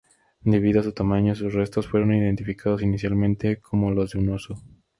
Debido a su tamaño, sus restos fueron identificados inicialmente como los de un oso.